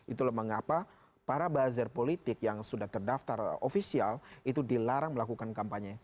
itulah mengapa para buzzer politik yang sudah terdaftar ofisial itu dilarang melakukan kampanye